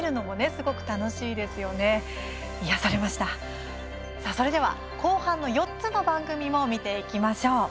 続いては、後半の４つの番組を見ていきましょう。